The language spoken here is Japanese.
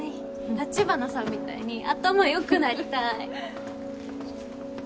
橘さんみたいに頭良くなりたい。